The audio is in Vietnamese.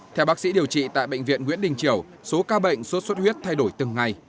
theo bác sĩ điều trị tại bệnh viện nguyễn đình triều số ca bệnh sốt xuất huyết thay đổi từng ngày